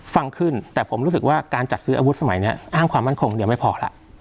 ฟังขึ้นแต่ผมรู้สึกว่าการจัดซื้ออาวุธสมัยนี้อ้างความมั่นคงคนเดียวไม่พอแล้ว